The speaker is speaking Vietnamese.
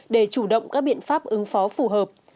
để chủ động các biện pháp ứng phó phù hợp